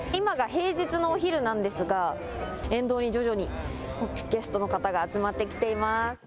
今が平日のお昼なんですが、沿道に徐々にゲストの方が集まってきています。